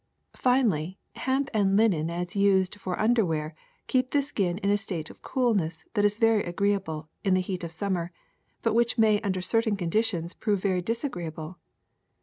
Finally, hemp and linen as used for underwear keep the skin in a state of coolness that is very agreeable in the heat of summer, but which may under certain conditions prove very disagreeable.